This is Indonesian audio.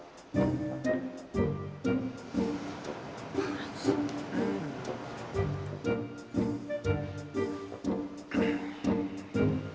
kamu pasti cerita begini biar aku ngejauhin kamu